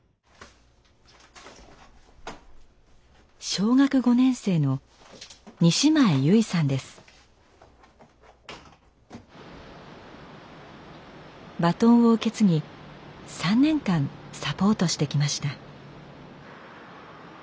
小学５年生のバトンを受け継ぎ３年間サポートしてきました。